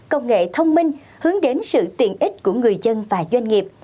công nghệ thông minh hướng đến sự tiện ích của người dân và doanh nghiệp